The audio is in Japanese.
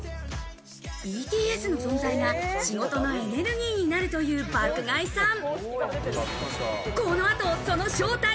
ＢＴＳの存在が仕事のエネルギーになるという爆買いさん。